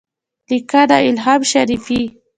لیکنه : الهام شریفي